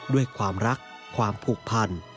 ด้วยความรักความผูกพัน